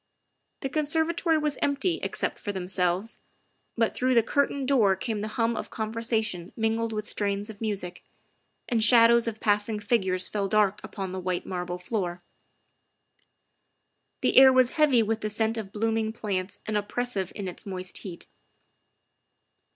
The conserva tory was empty, except for themselves, but through the curtained door came the hum of conversation mingled with strains of music, and shadows of passing figures fell dark upon the white marble floor ; the air was heavy with the scent of blooming plants and oppressive in its moist heat.